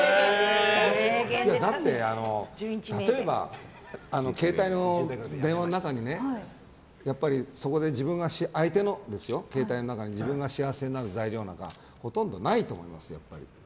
だって、例えば携帯の電話の中に相手の携帯の中に自分が幸せになる材料なんかほとんどないと思いますよ。